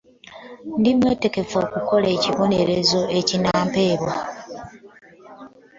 Ndi mwetegefu okukola ekibonerezo ekinampeebwa.